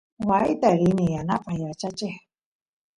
waayta rini yanapaq yachacheq